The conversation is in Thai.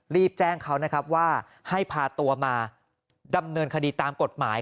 รีบแจ้งเขานะครับว่าให้พาตัวมาดำเนินคดีตามกฎหมาย